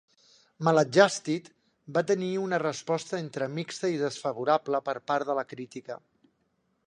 Maladjusted va tenir una resposta entre mixta i desfavorable per part de la crítica.